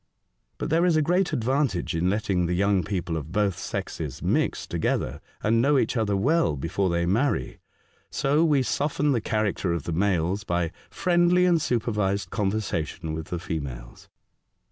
But there is a great advantage in letting the young people of both sexes mix together, and know each other well before they L 2 148 A Voyage to Other Worlds. marrj. So we soften tlie character of the males by friendly and supervised conversation with the females."